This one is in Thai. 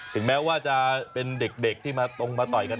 ถึงแม้ว่าจะเป็นเด็กที่มาตรงมาต่อยกัน